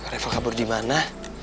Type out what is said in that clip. refah kabur di mana